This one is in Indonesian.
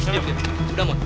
diam udah mon